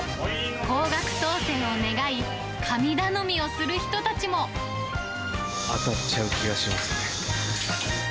高額当せんを願い、神頼みを当たっちゃう気がしますね。